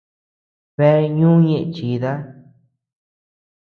Bea ñú ñeʼe chida.